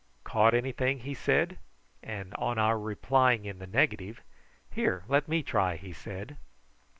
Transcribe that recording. "Caught anything?" he said; and on our replying in the negative, "Here, let me try," he said.